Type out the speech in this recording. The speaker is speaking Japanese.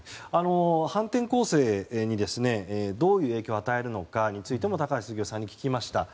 反転攻勢にどういう影響を与えるのかについても高橋杉雄さんに聞きました。